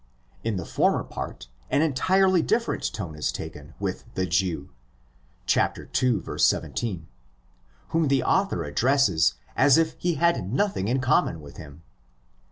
In the former part an entirely different tone is taken with the '' Jew"' (ii. 17), whom the author addresses as if he had nothing in common with him.